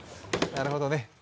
なるほどね。